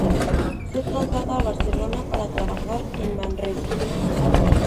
Se traslada a Barcelona, para trabajar en Manresa.